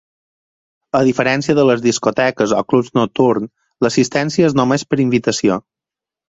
A diferència de les discoteques o clubs nocturns, l'assistència és només per invitació.